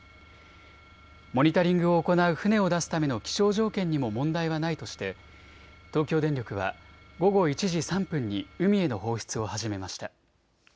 モニタリングを行う船を出すための気象条件にも問題はないとして東京電力は午後１時３分に海への放出を始めました。